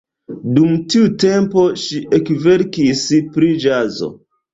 Dum tiu tempo ŝi ekverkis pri ĵazo.